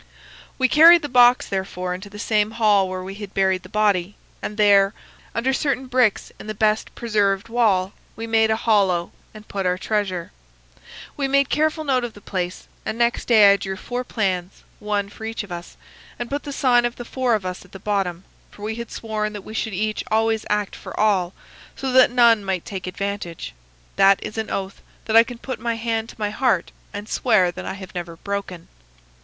We carried the box, therefore, into the same hall where we had buried the body, and there, under certain bricks in the best preserved wall, we made a hollow and put our treasure. We made careful note of the place, and next day I drew four plans, one for each of us, and put the sign of the four of us at the bottom, for we had sworn that we should each always act for all, so that none might take advantage. That is an oath that I can put my hand to my heart and swear that I have never broken.